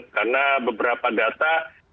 karena beberapa data